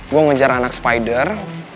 gua ngejar anak spider